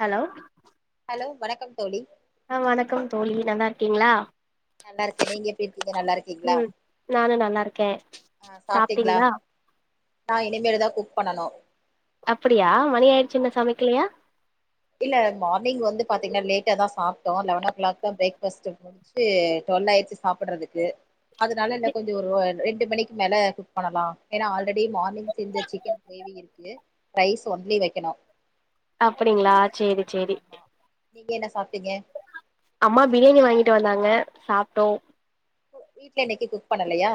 Hello hello வணக்கம் தோழி ஆ வணக்கம் தோழி நல்லா இருக்கீங்களா நல்லா இருக்கே நீங்க எப்டி இருக்கீங்க நல்லா இருக்கீங்களா ம் நானு நல்லா இருக்கே அ சாப்டீங்களா சாப்ட்டீங்களா நா இனிமேல் தா குக் பண்ணனு அப்படியா மணி ஆயிடுச்சு இன்னு ஆமா சமைக்கலயா இல்ல மார்னிங் வந்து பாத்தீங்கனா லேட்டா தா சாப்ட்டோ லெவன் ஓ க்ளாக் தா பிரேக்பஸ்ட்டு முடிச்சுட்டு டுவெல் ஆயிடுச்சு சாப்டறதுக்கு அதனால இன்னு கொஞ்சோ ஒரு ரெண்டு மணிக்கு மேல குக் பண்ணலா ஏனா ஆல்ரெடி மார்னிங் செஞ்ச சிக்கன் கிரேவி இருக்கு ரைஸ் ஒன்லி வைக்கணு அ அப்டீங்களா செரி செரி சாப்டிங்க அம்மா பிரியாணி வாங்கிட்டு வந்தாங்க சாப்ட்டோ வீட்ல இன்னைக்கு குக் பண்ணலயா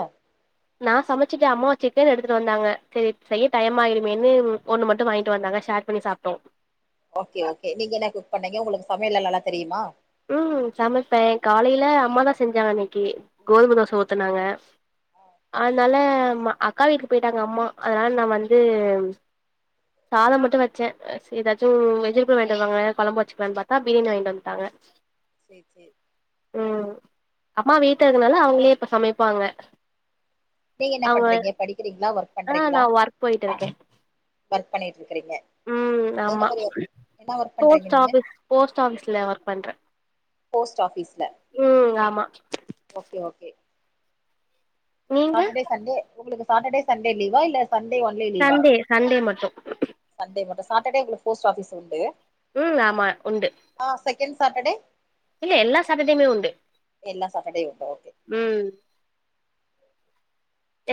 நா சமச்சுட்ட அம்மா சிக்கன் எடுத்துட்டு வந்தாங்க சரி செய்ய டயம் ஆயிருமேன்னு ஒன்னு மட்டு வாங்கிட்டு வந்தாங்க ஷேர் பண்ணி சாப்ட்டோ ஓகே ஓகே நீங்க என்ன குக் பண்ணீங்க உங்களுக்கு சமையல்லா நல்லா தெரியுமா ம் சமைப்ப காலைல அம்மா தா செஞ்சாங்க இன்னைக்கி கோதும தோசை ஊத்துனாங்க அனால அக்கா வீட்டுக்கு போய்ட்டாங்க அம்மா அதனால நா வந்து சாதம் மட்டு வச்ச ஏதாச்சு வெஜிடபுள் வாங்கிட்டு வருவாங்க கொழம்பு வச்சுக்கலான்னு பாத்தா பிரியாணி வாங்கிட்டு வந்துட்டாங்க சேர் சேர் ம் அம்மா வீட்ல இருக்கருதுனால அவுங்களே இப்ப சமைப்பாங்க நீங்க என்ன அவங்க பண்றீங்க படிக்கிறீங்ளா ஒர்க் ஆ பண்றீங்ளா நா ஒர்க் போயிட்டு இருக்கே ஒர்க் பண்ணி ம் ஆமா என்ன ஒர்க் பண்றீங்க போஸ் நீங்க ஆபிஸ் போஸ்ட் ஆபீஸ்ல ஒர்க் பண்ற போஸ்ட் ஆபீஸ்ல ம் ஆமா ஓகே ஓகே நீங்க சாட்டர்டே சண்டே உங்களுக்கு சாட்டர்டே சண்டே லீவா இல்ல சண்டே ஒன்லி லீவா சண்டே சண்டே மட்டோ சண்டே மட்டு சாட்டர்டே உங்களுக்கு போஸ்ட் ஆபிஸ் உண்டு உம் ஆமா உண்டு சாட்டடே இல்ல எல்லா சாட்டடேமே உண்டு எல்லா சாட்டர்டேயு உண்டு ஓகே உம்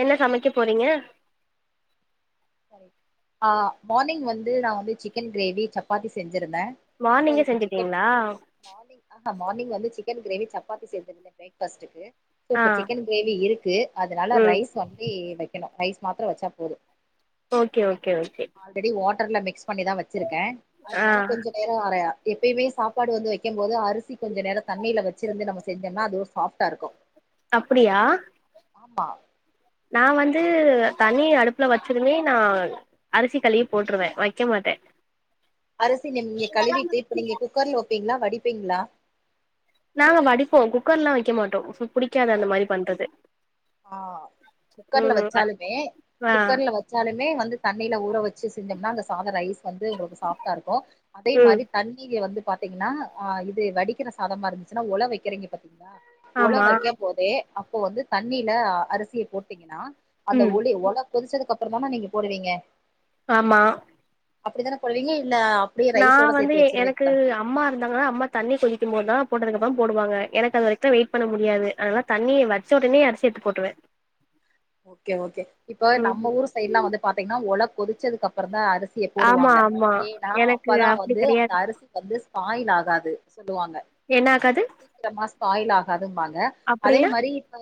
என்ன சமைக்க போறீங்க ஆ மானிங் வந்து நா வந்து சிக்கன் கிரேவி சப்பாத்தி செ மார்னிங்கே செஞ்சுட்டீங்ளா நா மார்னிங் வந்து சிக்கன் கிரேவி சப்பாத்தி செஞ்சிருந்தே பிரேக் ஃபாஸ்டுக்கு சோ ஆ இப்ப சிக்கன் கிரேவி இருக்கு அதனால ம் ரைஸ் ஒன்லி வெக்கணு ரைஸ் மாத்ரொ வெச்சா போது ஓகே ஓகே ஓகே ட்ர்ல மிக்ஸ் பண்ணிதா வெச்சிருக்கே ஆ அதனால கொஞ்ச நேரோ அரயா எப்பயுமே சாப்பாடு வந்து வெக்கம்போது அரிசி கொஞ்ச நேரோ தண்ணில வெச்சிருந்து நம்ம செஞ்சம்னா அது ஒரு சாஃப்டாருக்கு அப்டியா ஆமா நா வந்து தண்ணிய அடுப்புல வெச்சதுமே நா அரிசி கழுவி போட்ருவே வெக்க மாட்டே அரசி நிம்ங்க கழுவிட்டு இப்ப நீங்க குக்கர்ல வெ ப்பிங்ளா வடிப்பிங்ளா நாங்க வடிப்போ குக்கர்லா வெக்க மாட்டோ புடிக்காது அந்த மாரி ஓகே பண்றது ஆஹ் குக்கர்ல ம் வெச்சாலுமே ஆ குக்கர்ல வெச்சாலுமே வந்து தண்ணில ஊற வெச் ச்சு செஞ்சம்னா அந்த சாதொ ரைஸ் வந்து உங்களுக்கு சாஃப்டருக்கு அதே ம் மாரி தண்ணி வந்து பாத்திங்கன்னா அ இது வடிக்கிற சாதமா இருந்துச்சுன்னா ஒல வெக்கிறிங்க பா ஒல ஆமா வெக்கப் அப்போ வந்து தண்ணில அரிசிய போட்டீங்கன்னா அந்த ம் ஒலி ஒல கொதிச்சதுக் க்கப்றந்தான நீங்க போடுவீங்க ஆமா அப்டித்தான போடுவிங்க நா வந்து எனக்கு அம்மா இருந்தாங்கனா அம்மா தண்ணி கொதிக்கும் போதுதா போட்டதுக்ப்புறம் போடுவாங்க எனக்கு அது வரைக்தா வெயிட் பண்ண முடியாது அதனால தண்ணிய வெச்ச உடனயே அரிசி எடுத்து போட்றுவே ஓகே ஓகே இப்ப நம்ம ஊரு சைட்லா வந்து பாத்தீங்ன்னா ஒலக் கொதிச்சதுக்கப்பறந்தா அரு சிய ஆமா போடுவாங்க ஆமா ஏனா எனக்கு அப்பதா அப்டி வந்து அந்த கெடையாது அரிசி வந்து ஸ்பாய்ல் ஆ காது சொல்லுவாங்க என்ன ஆகாது சீக்கிரமா ஸாபாயில் ஆ காதும்பா க அதே அப்டின்னா மாரி இப்ப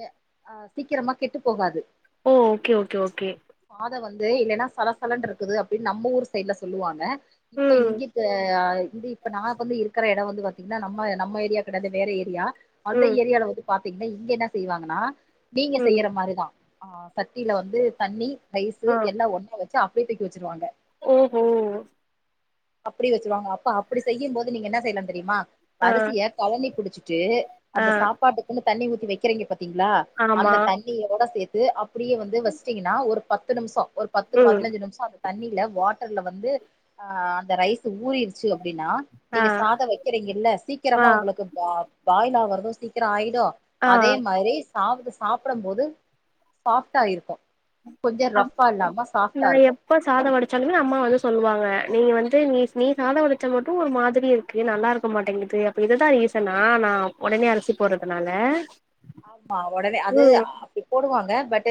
ஆ, சீக்கிரமா கெட்டு போகாது ஓ ஓகே ஓகே ஓகே த வந்து இல்லேனா சலசலன்ட்ருக்குது அப்டின் நம்ம ஊரு சைட்லே சொல்லுவாங்கே ப்ப ம் இங்கிக்கு ஆ ந்து இப்ப நா வந்து இருக்கற எடோ வந்து பாத்தீங்னா நம்ம நம்ம ஏரியா கெடாது வேற ஏரியா அந்த ம் ஏரியால வந்து பாத்தீங்னா இங்கே என்னா செய்வாங்கனா நீங்க ம் செய்யற மாரிதா ஆ சட்டீலே வந்து தண்ணீ ரைஸ்சு எல்லா ஒண்ணா வ ச்சி அப்டே தூக்கி வெச்சுருவாங்க ஓ ஓ அப்டி வெச்சுருவாங்கே அப்ப அப்டி செய்யின் போது நீங்கே என்னா செய்னுன் தெரியுமா ஆ அரிசியே கழனி புடிச்சிட்டு ஆ அந்த சாப்பாட்டுக்குன்னு தண்ணீ ஊத்தி வெக்கிறிங்க பாத் திங்ளா ஆமா அந்த தண்ணீயோட சேத் ப்டியே வந்து வஸ்டீங்கனா ஒரு பத்து நிம்ஷோ ஒரு பத்து ம் பதினஞ்சு நிம்ஷொ அது தண்ணீலே வாட்டர்லே வந்து ஆ அந்த ரைஸ் ஊறீர்ச்சு அ அப்பிடின்னா ஆ நீங்க சாத வெக்கறீங்கல்ல ஆ சீக்கிரமா உங்களுக்கு பா பாயில் ஆவர் அப்பற சீக்கிரம் ஆயிடும் ஆ அதே மாரி சாவுது சாப்புதும் போது சாஃப்டா இருக்கும் கொஞ்ச அது ரஃப்பா இல்லாம சாஃப்டா இருக்கு சொல்லுங்க அம்மா வந்து சொல்லுவாங்க நீ வந்து நீ நீ சாதம் வடிச்சா மட்டு ஒரு மாதிரி இருக்கு நல்லா இருக்க மாட்டேங்குது அப்ப இதுதான் ரீசனா நா ஒடனே அரிசி போடறதுனால ஆமா ஒடனே அது அப்பிடி போடுவாங்க பட்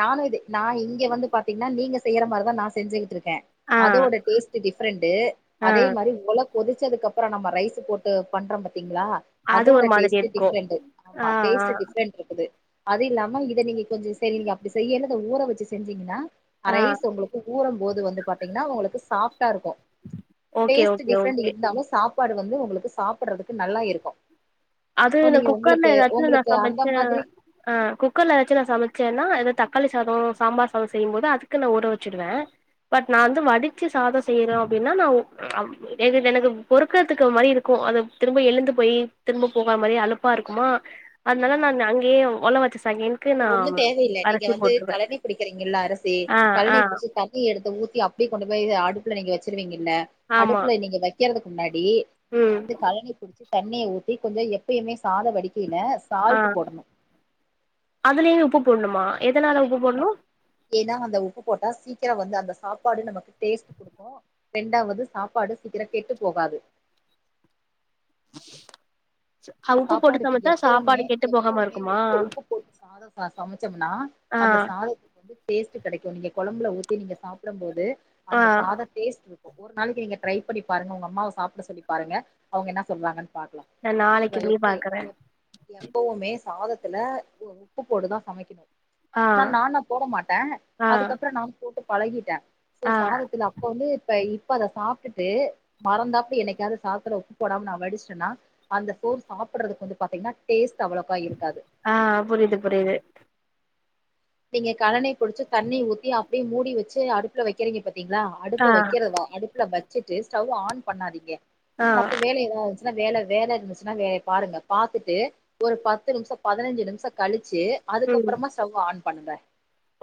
நானு இது நா இங்க வந்து பாத்தீங்கன்னா நீங்க செய்யற மாரிதா நா செஞ்சுக்கிட்டுருக் க்கேன் ஆ அதோட டேஸ்ட் டிஃப்ரெண்டு ஆ அதே மாரி உல கொதிச்சதுக்கப்பறம் நம்ம ரைஸ் போட்டு பண்ற பாத்திங்களா அது அதோட ஒரு மாதிரி டேஸ்ட் இருக்கு டிஃப்ரெண்ட் ஆ ஆமா ஆ டேஸ்ட் டிஃப்ரெண்ட் இருக்குது அது இல்லாம இத நீங்க கொஞ்சம் சரி நீங்க அப்பிடி செய்யறத ஊற வச்சு செஞ்சீங்கன்னா ஆ அரைஸ் உங்களுக்கு ஊரம் போது வந்து பாத்தீங்கன்னா உங்களுக்கு சாஃ சாஃப்ட்டா இருக்கும் okay taste okay different okay இருந்தாலும் சாஃப்ட் சப்பாடு வந்து உங்களுக்கு சாப்பிடுறதுக்கு நல்லா இருக்கும் அது குக்கர்ல என் நா அந்த சமைச்சேன் மாதிரி ஆ குக்கர்லவச்சி ந சமைச்சேனா எதா தக்காளி சாதம் சாம்பார் சாதம் செய்யும்போது அதுக்கு நா உற வச்சிடுவேன் பட் நான் வந்து ம் வடிச்சு சாதம் செய்யறேன் அப்படின்னா நா எனக்கு பொறுக்கிறதுக்கு மாதிரி இருக்கும் அது திரும்ப எழுந்து போய் திரும்ப போகற மாதிரி அலுப்பா இருக்குமா அதனால ஆ நான் அங்கயே ஒலவ அது ஒண்ணும் தேவையில்லை நீங்க வந்து போட்டுருவே கழணி பிடிக்கிறீங்கல்ல அரசி ஆ ஆ கழணை பிடிச்சு தண்ணி எடுத்து ஊத்தி அ அப்படி கொண்டு போய் ஆடுப்புல நீங்க வச்சருவீங்க ல ஆமா அடுப்புல நீங்க வைக்கிறதுக்கு முன்னாடி நீங்க ம் வந்து கழனி பிடிச்சு தண்ணிய ஊத் கொஞ்சம் எப்பயுமே சாத வடிக்கையில சால்ட் போடணும் அதுலேயே உப்பு போடணுமா எதனால உப்பு ஆமா போடணு ஏன்னா அந்த உப்பு போட்டா சீ சீக்கிரம் வந்து அந்த சாப்பாடு நமக்கு டேஸ்ட் குடுக்கும் ரெண்டாவது சாப்பாடு சீக்கிரம் கெட்டு போகாது அ உப்பு போட்டு சாப்பாடுக்கு சமைச்சா எப்பவுமே சாப்பாடு கெட்டு போகாம எப்பவுமே இருக்குமா உப்பு உப்பு போட்டு சாதம் ச சமைச்சோம்னா ஆ அந்த சாதத்துக்கு டேஸ்ட் கிடைக்கும் நீங்க குழம்புல ஊத்தி நீங்க சாப்பிடும் போது ஆ அந்த சாதம் டேஸ்ட் ஒரு நாளைக்கு நீங்க ட்ரை பண்ணி பாருங்க உங்க அம்மாவ சாப்பிட சொல்லி பாருங்க அவங்க என்ன சொல்றாங்கன்னு பாக்கலாம் நா நாளைக்கு பன்னி பாக்குறேன் எப்பவுமே சாதத்துல உப்பு போட்டு தா சமைக்கணும் ஆ ஆனா நானான் போட மாட்டே ஆ அதுக்கப்புறம் நா போட்டு பழகிட்ட சோ ஆ சாதத்துல அப்ப வந்து இப்ப ப்ப அத சாப்பிட்டுட்டு மறந்தாப்படி என்னைக்காவது சாத்தல ஒப்பு போட ந வடிச்சட்டேன்னா அந்த சோர் சாப்படுறது வந்து பாத்தங்கன்னா டேஸ்ட் அவ்வளோக்கா இருக்காது ஆஹ் புரிது புரியுது நீங்க கலண்ணை புடிச்சு தண்ணி ஊத்தி அப்டியே மூடி வச்சு அடுப்புல வைக்கறிங்க பத்தி ங்களா ஆ அடுப்ப வைக்கிறதா அடுப்புல வச் வச்சுட்டு ஸ்டவ் ஆன் பண்ணாதீங்க ஆ மத்த வேலை ஏதாவ இருந்துச்சுன்னா வேலை வேல இருந்துச்சுன்னா வேலை பாருங்க பாத்துட்டு ஒரு பத்து நிமிஷ பதினஞ்சு நிமிஷ கழிஞ் ச்சு ம் அதுக்கப்பறமா ஸ்டவ் ஆன் பண்ற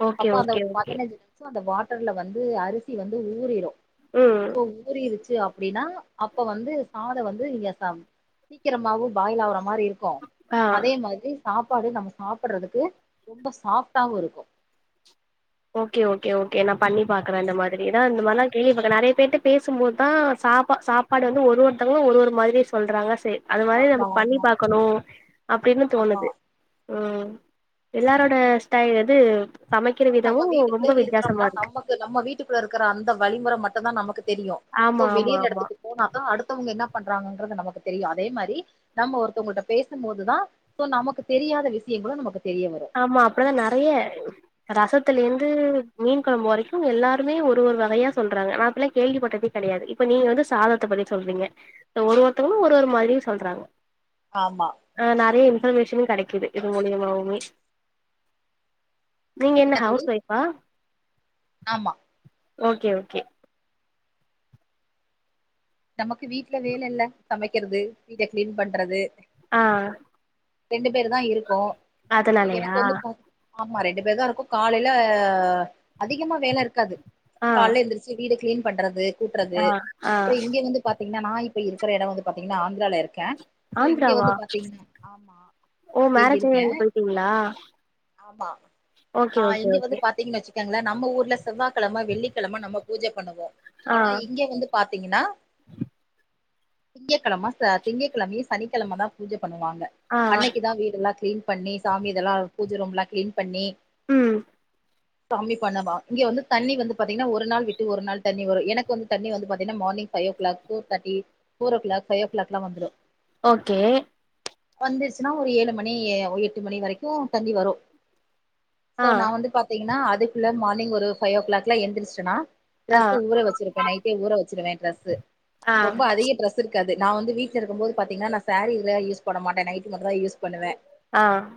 ஓகே அப்ப அந்த ஓகே ஓகே பதனஞ்சு நிமிஷம் அந்த வார் ட்டர்ல வந்து அரிசி வந்து ஊறிரு ம் சோ ஊறிருச்சு அப் ப்புடின்னா அப்ப வந்து சாத வந்து இங்க சாம் சீக்கிரமாவு பாயிலாவுற மாரி இருக்கூ ஆ அதே மாதிரி ஸ் சாப்பாடு நம்ம சாப்பட்றதுக்கு ரொம்ப சாஃப்ட் ட்டாவு இருக்கூ ஓகே ஓகே ஓகே நா பண்ணி பாக்குறே அந்த மாத் துரிதா இந்த மாரிலா கேள்விபட்ட நறைய பேத்துக் பேசும்போத்தா சாப்பா சாப்பாடு வந்து ஒரு ஒருத்தங்களு ஒரு ஒரு மாதிரி சொல்றாங்க ஸ் து அது மாரி நம்ப ஆமா பண்ணி ஆமா பாக்கணு அப்டின்னும் ஆமா தோணுது ம் எல்லாரோட ஸ்டைல் எது சமைக்கி ப நம்ம வீட்டுக்குள்ளே இருக்குறோம்னா நமக்கு நம்ம வீட்டுக்குள்ளருக்கிற அந்த வழிமுற மட்டுந்தா நமக்கு தெரியு சோ ஆமா ஆமா வெளியில ஆமா எடத்துக்கு போனா தா அடுத்தவுங்க என்னா பண்றாங்குங்குன்றது நமக்கு தெரியு அதே மாரி நம்ம ஒருத்தங்குள்ட்ட பேசும் போதுதா சோ நமக்கு தெரியாத விஷயங்களு நமக்கு தெரிய வரு ஆமா அப்படதா நறைய ரசத்துலேந்து மீன் கொழம்பு வரைக்கு எல்லாருமே ஒரு ஒரு வகையா சொல்றாங்க நா அப்புள்ளா கேள்விப்பட்டதே கெடயாது இப்ப நீங்க வந்து சாதத்த பண்ணிட் சொல்றீங்க ட்ட ஒரு ஒருத்தவங்களு ஒரு ஒரு மாதிரியு சொல்றாங்க ஆமா ஆ நெறைய மேஷனு கெடைக்கிது இது மூலியமாவுமே நீங்கே என்னா என்ன தோழி ஹவுஸ் ஒய்ஃப்பா ஆமா ஓகே ஓகே நமக்கு வீட்லே வேலல்லே சமைக்கிறது வீட்டே க்ளீன் பண்றது ஆ ரெண்டுவு பேருதா இருக்கோ சோ அதனாலயா எனக் வந்து பா ஆமா ரெண்டு பேர்தா இருக்கோ காலைலே அதிகமா வேல இர்க்காது ஆ கால்லே எந்திருச்சி வீட க்ளீன் பண்றது து கூட்றது ஆ ஆ றோ இங்கே வந்து பா தீங்னா நா இப்பா இருக்ற எடோ வந்து பாத்தீங்கனா ஆந்திராலே இர்க்கே ஆந்திராவா ஓ இங்க மேரேஜ் ஆய் இருக்கே அங்க போயிட்டீங்களா ஆமா ஓகே ஓகே ஓகே இருங்களா நம்ம ஊர்ல செவ்வாகிழம வெள்ளிக்கிழம நம்ம பூஜ பண்ணுவோம் ஆ ஆனா இங்க வந்து பாத்தீங்கன்னா திங்க கிழம திங்க கிழம சனிக்கிழமயும் தா பூஜ பண்ணுவாங்க ஆ அன்னைக்கு தா வீடெல்லாம் கிளீன் பண்ணி சாமி இதெல்லாம் பூஜ ரூம்லாம் கிளீன் பண்ணி உம் கம்மி பண்ணவா இங்க வந்து தண்ணி வந்து பாத்தீங்கன்னா ஒரு நாள் விட்டு ஒரு நாள் தண்ணி வரும் எனக்கு வந்து தண்ணி வந்து பாத்தீங்கன்னா morning five o'clock four தேட்டி ஃபோர் ஓ கிளாக் பைவ் ஓ கிளாக்ல்லாம் வந்துடும் ஓகே வந்துருச்சுன்னா ஒரு ஏழு மணி எட்டு மணி வரைக்கும் தண்ணி வரும் சோ ஆ நா வந்து பாத்தீங்கன்னா மார்னிங் ஒரு ஃபைவ் ஓ கிளாக்கில்லா எந்திரிச்சிடனா ஆ டிரஸ் ஊற வச்சிருப்பேன நைட்டே ஊ வச்சிருவேன் டிரஸ்சு ஆ ரொம்ப அதிக டிரஸ் அது நா வந்து வீட்டு இருக்கும் போது பாத்தங்கன்னா நா சாரீல்லாம் யூஸ் பண்ண மாட்ட நைட்டி மட்டும் தா யூஸ் பண்ணுவேன் ஆஹ்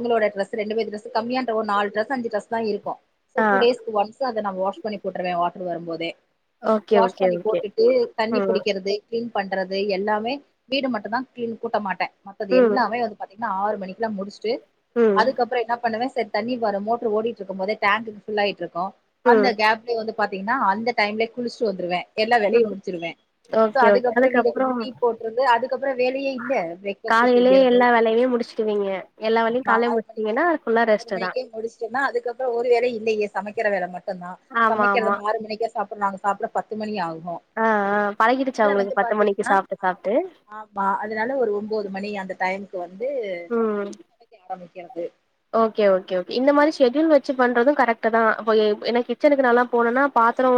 உங்கலொட டிரஸ் ரெண்டு பேத்து டிரஸ் கம்மியான ஒரு நாலுடிரஸ் அஞ்சு டிரஸ்தா இருக்கும் ஆ டூ டேஸ் ஒன்சு நா வாஷ் பண்ணி போற்றுவன் வா அது வரும்போதே ஓகே வாஷ் ஓகே பண்ணி ஓகே போட்டுட்டு தண்ணி ம் புடிக்கிறது கிளீன் பண்றது எல்லாமே வீடு மட்டும்தா கிளீன் கூட்ட மாட்டேன் மத்தது ம் எல்லாமே வந்து பாத்தீங்க நா ஆறு மணிக்கு எல்லாம் முடிச்சுட்டு ம் அதுக்கப்புறம் என்ன பண்ணுவ தண்ணி வரும் மோட்டர் ஓடிட்டு இருக்கும் போது டேங்க ஃபுல் ஆயிட்டு இருக்கு அந்த ம் கேப்லய வந்து பாத்தீங்கன்னா அந்த டைம்ல குளிச்சிட்டு வந்திருவே எல்லாம் வேலையையும் ம் முடிச்சிருவேன் சொ ஓகே ஓகே அதுக்கறம் வீட அதுக்கப்றோ கூட்டி போட்டுறது அதுக்கப்புறம் வேலையே இல்ல பிரேக் ஃபாஸ்ட் காலையிலயே செய்றது எல்லா வேலையுமே முடிச்சுடுவீங்க எல்லா வேலையு நா காலைல ஆறு மணிக்கு முடிச்சுட்டீங்கன்னா ஃபுல்லா ஆறு ரெஸ்ட்டு தா மணிக்கே முடிச்சுடேன்னா அதுக்கப்புறம் ஒரு வேளையும் இல்லையே சமைக்க கிர வேல மட் நா ஆமா ஆமா சமைக்கிறது ஆறு மணிக்கே சாப்ப நாங்க சாப்பிட பத்து மணி ஆகும் ஆ ஆ பழகிடுச்சா அதனால உங்களுக்கு வந்து பத்து மணிக்கு பாத்தீங்கன்னா சாப்ட்டு சாப்ட்டு ஆமா அதனால ஒரு ஒன்பது மணி அந்த டைமுக்கு வந்து ம் ஆரம்பிக்கிறது ஓகே ஓகே ஓகே இந்த மாதிரி ஷெடியூல் வச்சு பண்றதும் கரெக்ட் தா இப்ப என்ன கிச்சனுக்கு நால்லான் போனேனா பாத்திரம்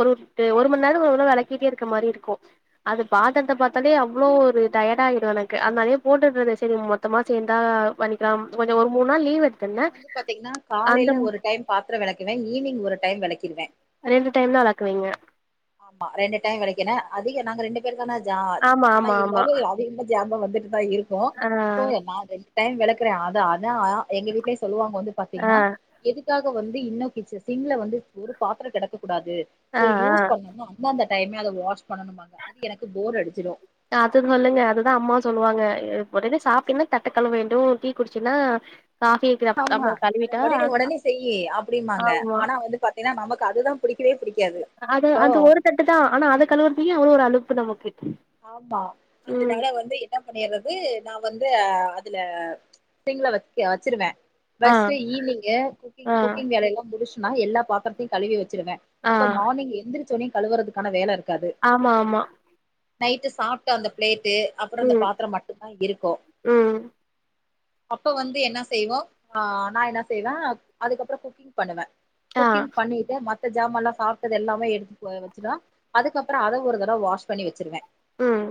ஒரு ஒரு மணிநேரத்துக்கு ஒரு தடவ விளக்கிட்டே இருக்கற மாதிரி இருக்கும் அது ம் பாத்திரத்த பத்தாலே அவ்ளோ ஒரு டயர்ட் ஆயிடும் எனக்கு அதனாலே போட்டுறது சரி மொத்தமா சேர்ந்தா பண்ணிகலாம் [unintelligible] நா வந்து பாத்தீங்கன்னா காலையில ஒரு டைம் பாத்திரம் விளக்குவேன் ஈவினிங் ஒரு டைம் விளக்கிடுவ ரெண்டு டைம்ல விளக்குவீங்க ஆமா ரெண்டு டைம் விளக்கினேன் அதிக நாங்க ரெண்டு பேரு தானே ஆமா ஆனா ஆமா ஆமா இருந்தாலும் அது என் ஜாம வந்துரு இருக்கும் ஆ சோ நா ரென் டைம் விளக்குறேன் அது எங்க வீட்லய சொல்லுவாங்க வந்து ஆ பாத்தீங்கன்னா எதுக்காக ப்ப வந்து இன்னும் கிச்சன் சிங்க்ல வந்து ஒரு பாத்திரம் கிடக்கு கூடாது சோ ஆ ஆ யூஸ் அந்த அந்த டைமே அத வாஷ் பண்ணணுமாங்க அது எனக்கு போர் அடிச்சிடு அது சொல்லுங்க அதுதா அம்மா சொல்லுவாங்க முதல்ல சாப்பிடுங்க தட்டக் கழுவ வேண்டும் டீ குடிச்சினா ஆமா அத உடனே உடனே செய்ய அப்படீம்பாங்க ஆமா ஆனா வந்து பாத்தீங்கன்னா நமக்கு அதுதா புடிக்கவே புடிக்காது அது இப்போ அந்த ஒரு தட்டு தா ஆனா அத கழுவுறதுலியும் அவளோ ஒரு ஆளு ப்பு நமக்கு ஆமா ம் அதனால வந்து என்ன பண்ணிறது நா வந்து அதுல சிங்க்ல வச்சு வச்சிருவ ஆ பெஸ்ட் ஈவ்னிங்கே குக்கிங் ஆ குக்கிங் வேலைைய எல்லாம் முடிச்ச நா எல்லா பாத்திரத்தையும் கழுவி வச்சு டுவே ஆ அப்ப மார்னிங் எந்திரிச்சோன்னே கழுவறதுக்கான வேலை இருக் ஆமா ஆமா நைட்டு சாப்பிட்டு அந்த பிளேட் ட்டு அப்புறம் இந்த ம் பாத்தரம் மட்டும்தா இருக்கும். ம் அப்ப வந்து என்ன செய்வோம் ஆஹ், நா என்ன செய்வேன், அதுக்கப்புறம் குக்கிங் பண்ணுவ ஆ குக்கிங் பண்ணிடு மத்த சாமான்ல்லாம் சாப்டது எல்லாமே எடுத்து வச்சுதா, அதுக்கப்புறம் அத ஒரு தடவை வாஷ் பண்ணிவச்சு ருவ ம்.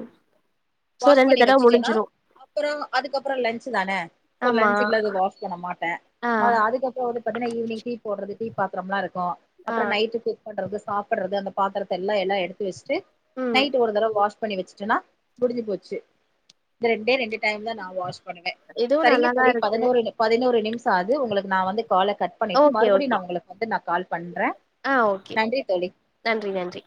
சோ ரெண்டு தடவ முடிஞ்சிரும். அப்புறம் அதுக்க அப்புறம் லஞ்ச்சு தானே. சோ ஆமா லஞ்ச்சுகலாம் வாஷ் பண்ண மாட்டேன். ஆ அதுக்கறம் பாத்திகனா ஈவிங் டீ போடுறதுக்கு பாத்திரம்லா இருக்கும் ஆ அப்றம் நைட் குக் பண்றது சாப்படறது. அந்த பாத்தர எல்லாம் எல்லாம் எடுத்து வச்சு ச்சு ம் நைட் ஒரு தடவ வாஷ் பண்ணி வச்சுட்டனா, முடிஞ்சு போச்சு இந்த ரெண்டே ரெண்டு டைம்ல நா வாஷ் பண்ணுவ இதுவு சரிங்க நல்லாதா தோழி இருக்கு பதினோரு பதினோரு நிமிஷம் சோ, அது உங்களுக்கு நா வந்து கால கட் பண்ணிட்டு ஓகே மறுபடியும் ஓகே உங்களுக்கு வந்து நா கால் பண்ற ஆ ஓகே. நன்றி நன்றி.